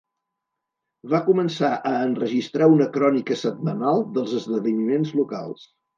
Va començar a enregistrar una crònica setmanal dels esdeveniments locals.